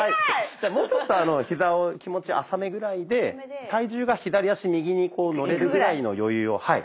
じゃあもうちょっとヒザを気持ち浅めぐらいで体重が左足右にのれるぐらいの余裕を。